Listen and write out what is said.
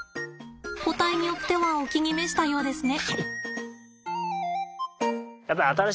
個体によってはお気に召したようですね。